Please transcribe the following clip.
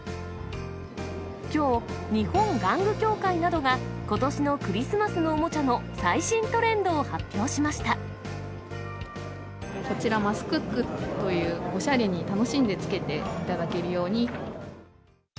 きょう、日本玩具協会などがことしのクリスマスのおもちゃの最新トレンドこちら、マスクックという、おしゃれに楽しんでつけていただけるように。